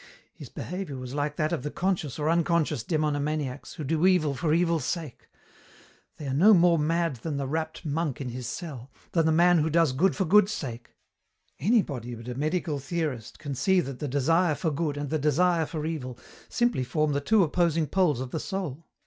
"His behaviour was like that of the conscious or unconscious demonomaniacs who do evil for evil's sake. They are no more mad than the rapt monk in his cell, than the man who does good for good's sake. Anybody but a medical theorist can see that the desire for good and the desire for evil simply form the two opposing poles of the soul.